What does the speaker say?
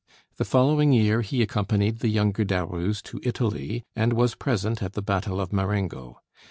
The following year he accompanied the younger Darus to Italy, and was present at the battle of Marengo.